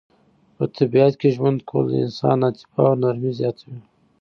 په طبیعت کې ژوند کول د انسان عاطفه او نرمي زیاتوي.